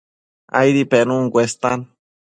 Aidi penun cuestan